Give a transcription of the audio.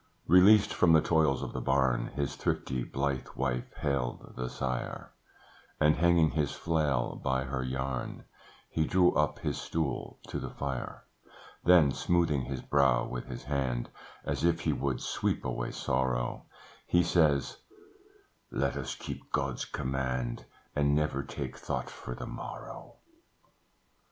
Released from the toils of the barn, His thrifty, blithe wife hailed the sire, And hanging his flail by her yarn, He drew up his stool to the fire; Then smoothing his brow with his hand, As if he would sweep away sorrow, He says, "Let us keep God's command, And never take thought for the morrow."